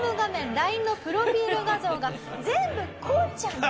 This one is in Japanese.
ＬＩＮＥのプロフィール画像が全部こうちゃんに。